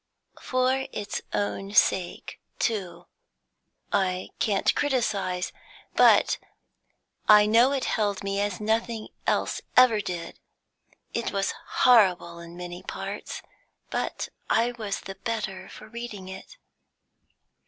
"For its own sake, too. I can't criticise, but I know it held me as nothing else ever did. It was horrible in many parts, but I was the better for reading it."